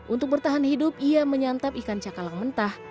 untuk bertahan hidup ia menyantap ikan cakalang mentah